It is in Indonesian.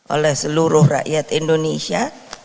oleh seluruh rakyat indonesia